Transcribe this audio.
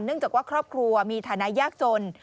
จากว่าครอบครัวมีฐานะยากจน